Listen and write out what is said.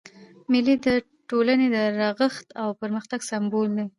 مېلې د ټولني د رغښت او پرمختګ سمبول دي.